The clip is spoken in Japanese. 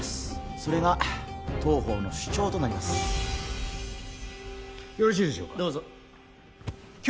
それが当方の主張となりますよろしいでしょうか？